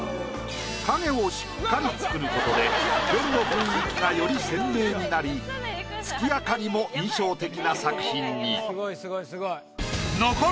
影をしっかり作ることで夜の雰囲気がより鮮明になり月明かりも印象的な作品に。